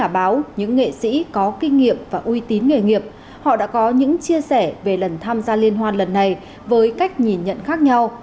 báo những nghệ sĩ có kinh nghiệm và uy tín nghề nghiệp họ đã có những chia sẻ về lần tham gia liên hoan lần này với cách nhìn nhận khác nhau